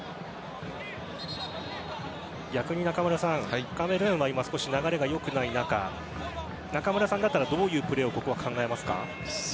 逆に、中村さん。カメルーンは流れがよくない中中村さんだったらどういうプレーを考えますか。